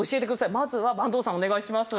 まずは坂東さんお願いします。